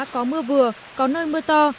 có mưa vừa có nơi mưa to